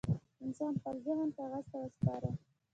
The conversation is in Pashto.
انسان خپل ذهن کاغذ ته وسپاره.